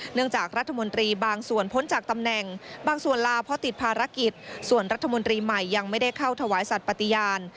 จากรัฐมนตรีบางส่วนพ้นจากตำแหน่งบางส่วนลาเพราะติดภารกิจส่วนรัฐมนตรีใหม่ยังไม่ได้เข้าถวายสัตว์ปฏิญาณ